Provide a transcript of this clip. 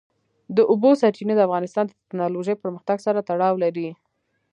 د اوبو سرچینې د افغانستان د تکنالوژۍ پرمختګ سره تړاو لري.